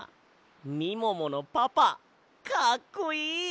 みもものパパかっこいい！